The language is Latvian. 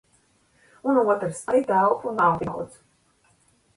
Un otrs - arī telpu nav tik daudz...